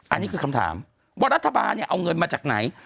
อันนี้คือคำถามว่ารัฐบาลเนี่ยเอาเงินมาจากไหน